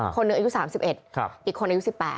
คนหนึ่งอายุ๓๑อีกคนอายุ๑๘